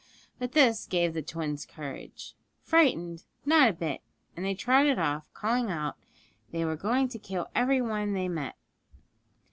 But this gave the twins courage. Frightened! Not a bit of it! And they trotted off, calling out they were going to kill every one they met.